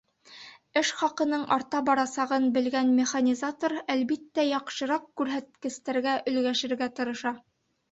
Эш хаҡының арта барасағын белгән механизатор, әлбиттә, яҡшыраҡ күрһәткестәргә өлгәшергә тырыша.